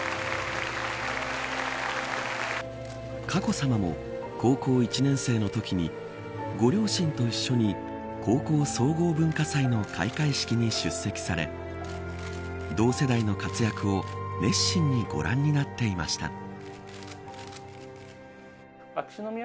佳子さまも高校１年生のときにご両親と一緒に高校総合文化祭の開会式に出席され同世代の活躍を熱心にご覧になっていました。